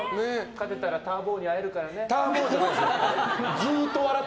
勝てたらたあ坊に会えるからね。